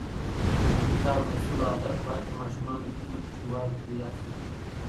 د کتاب لوستلو عادت باید په ماشومانو کې له کوچنیوالي پیدا شي.